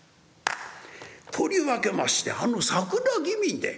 とりわけましてあの『佐倉義民伝』。